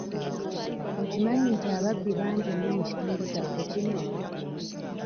Okimanyi nti ababbi bangi nnyo mu kitundu kyaffe kino?